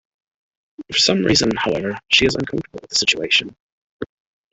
For some reason, however, she is uncomfortable with the situation.